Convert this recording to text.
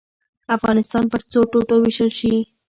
افغانستان پر څو ټوټو ووېشل شي.